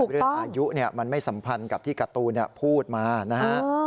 เรื่องอายุมันไม่สัมพันธ์กับที่การ์ตูนพูดมานะฮะ